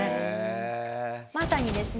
まさにですね